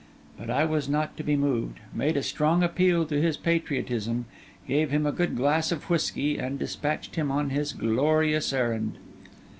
But I was not to be moved, made a strong appeal to his patriotism, gave him a good glass of whisky, and despatched him on his glorious errand.